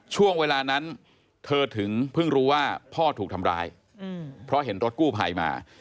ช่วงเวลานั้นเธอถึงเพิ่งรู้ว่าพ่อถูกทำร้ายเพราะเห็นรถกู้ภัยมา